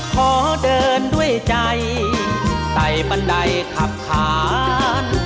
ขอเดินด้วยใจใส่บันไดขับขาน